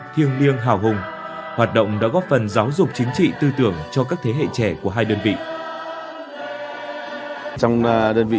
thiêng liêng hào hùng hoạt động đã góp phần giáo dục chính trị tư tưởng cho các thế hệ trẻ của hai đơn vị